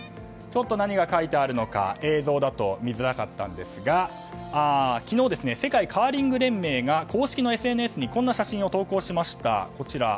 ちょっと何が書いてあるのか映像だと見づらかったんですが昨日、世界カーリング連盟が公式のＳＮＳにこんな写真を投稿しました。